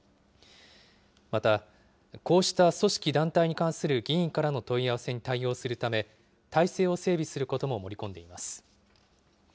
また、こうした組織・団体に関する議員からの問い合わせに対応するため、体制を整備することも盛り込んでいます。